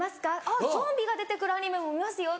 「あぁゾンビが出て来るアニメも見ますよ！」。